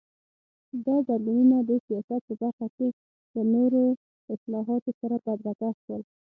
دا بدلونونه د سیاست په برخه کې له نورو اصلاحاتو سره بدرګه شول.